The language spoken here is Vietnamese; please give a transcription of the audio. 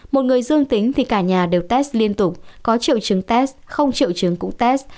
một người dương tính thì cả nhà đều test liên tục có triệu chứng test không triệu chứng cũng test